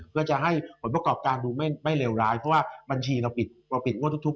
เพื่อจะให้ผลประกอบการดูไม่เลวร้ายเพราะว่าบัญชีเราปิดเราปิดงวดทุกข